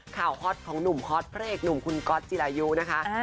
ฮอตของหนุ่มฮอตพระเอกหนุ่มคุณก๊อตจิรายุนะคะ